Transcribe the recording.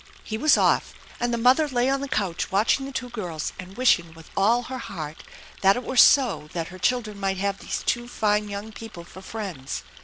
He was off, and the mother lay on the couch watching the two girls and wishing with all her heart that it were so that her children might have these two fine young people for friends.